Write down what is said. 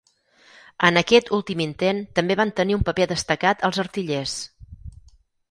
En aquest últim intent també van tenir un paper destacat els artillers.